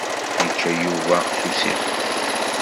Yečča Yuba s usixef.